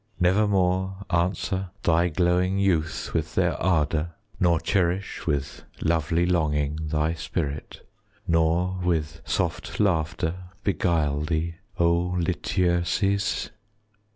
30 Nevermore answer thy glowing Youth with their ardour, nor cherish With lovely longing thy spirit, Nor with soft laughter beguile thee, O Lityerses?